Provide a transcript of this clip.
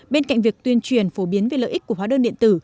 bên cạnh việc tuyên truyền phổ biến về lợi ích của hóa đơn điện tử